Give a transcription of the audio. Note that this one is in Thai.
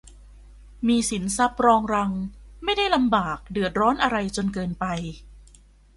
มีสินทรัพย์รองรังไม่ได้ลำบากเดือดร้อนอะไรจนเกินไป